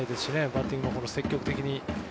バッティングも積極的に。